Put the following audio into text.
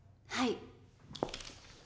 はい。